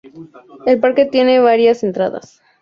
El parque tiene varias entradas.